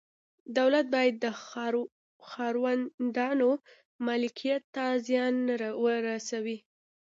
دولت باید د ښاروندانو ملکیت ته زیان نه ورسوي.